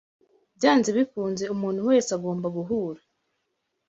Byanze bikunze, umuntu wese agomba guhura